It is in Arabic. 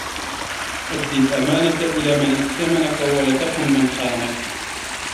أَدِّ الْأَمَانَةَ إلَى مَنْ ائْتَمَنَك وَلَا تَخُنْ مَنْ خَانَك